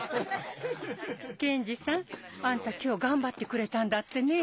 健二さんあんた今日頑張ってくれたんだってね。